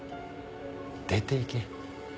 出ていけ。